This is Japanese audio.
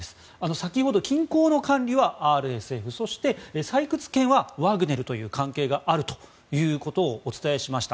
先ほど、金鉱の管理はＲＳＦそして、採掘権はワグネルという関係があるということをお伝えしました。